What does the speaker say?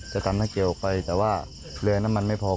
จะตำหน้าเกลียวออกไปแต่ว่าเหลือน้ำมันไม่พอ